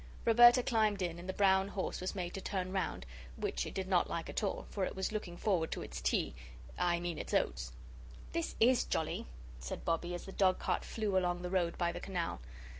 Roberta climbed in and the brown horse was made to turn round which it did not like at all, for it was looking forward to its tea I mean its oats. "This IS jolly," said Bobbie, as the dogcart flew along the road by the canal.